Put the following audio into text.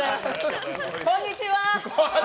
こんにちは！